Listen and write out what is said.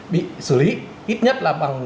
bị xử lý ít nhất là bằng